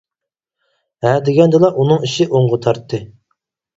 ھە دېگەندىلا ئۇنىڭ ئىشى ئوڭغا تارتتى.